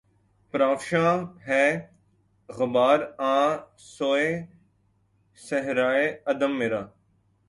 پرافشاں ہے غبار آں سوئے صحرائے عدم میرا